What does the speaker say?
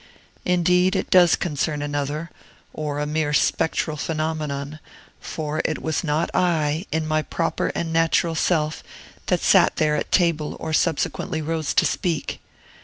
Indeed, it does concern another, or a mere spectral phenomenon, for it was not I, in my proper and natural self, that sat there at table or subsequently rose to speak.